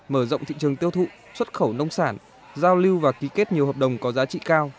mở rộng thị trường tiêu thụ xuất khẩu nông sản giao lưu và ký kết nhiều hợp đồng có giá trị cao